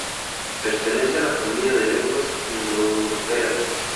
Pertenece a la familia de lenguas indoeuropeas.